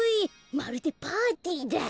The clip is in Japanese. まるでパーティーだ。